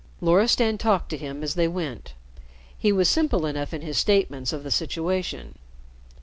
Loristan talked to him as they went. He was simple enough in his statements of the situation.